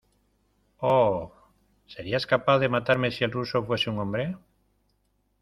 ¡ oh!... ¿ serías capaz de matarme si el ruso fuese un hombre?